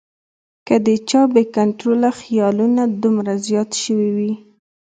کۀ د چا بې کنټروله خیالونه دومره زيات شوي وي